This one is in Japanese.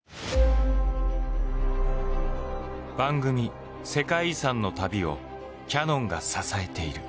番組「世界遺産」の旅をキヤノンが支えている。